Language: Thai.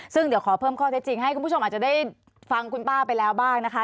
ซึ่งเดี๋ยวขอเพิ่มข้อเท็จจริงให้คุณผู้ชมอาจจะได้ฟังคุณป้าไปแล้วบ้างนะคะ